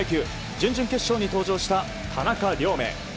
準々決勝に登場した田中亮明。